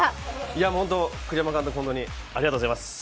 栗山監督、ホントにありがとうございます。